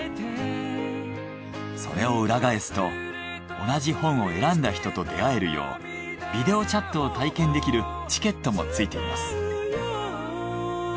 それを裏返すと同じ本を選んだ人と出会えるようビデオチャットを体験できるチケットも付いています。